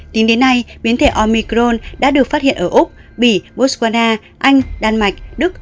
tính đến nay biến thể omicron đã được phát hiện ở úc bỉ botswana anh đan mạch đức